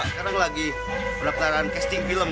sekarang lagi pendaftaran casting film